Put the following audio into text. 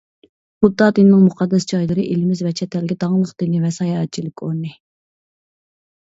بۇددا دىنىنىڭ مۇقەددەس جايلىرى ئېلىمىز ۋە چەت ئەلگە داڭلىق دىنى ۋە ساياھەتچىلىك ئورنى.